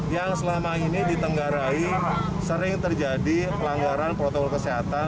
yang selama ini ditenggarai sering terjadi pelanggaran protokol kesehatan